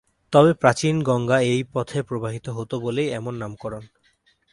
তবে প্রাচীন গঙ্গা এই পথে প্রবাহিত হতো বলেই এমন নামকরণ।